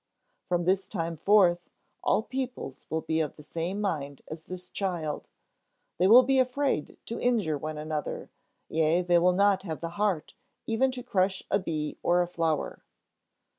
From this time forth, all peoples will be of the same mind as this child: they will be afraid to injure one another, yea, they will not have the heart even to crush a bee or a flower!